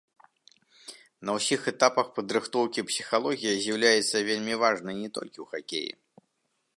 На ўсіх этапах падрыхтоўкі псіхалогія з'яўляецца вельмі важнай не толькі ў хакеі.